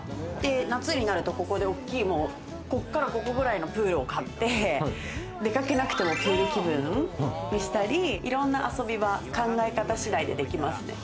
夏になると、ここで大きいプールを買って出かけなくてもプール気分にしたり、いろんな遊び場、考え方次第でできますね。